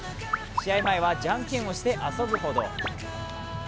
試合前は、じゃんけんをして遊ぶほど。